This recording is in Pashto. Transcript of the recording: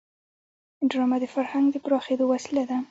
ډرامه د فرهنګ د پراخېدو وسیله ده